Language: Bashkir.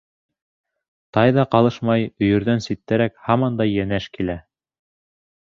Тай ҙа ҡалышмай, өйөрҙән ситтәрәк һаман да йәнәш килә.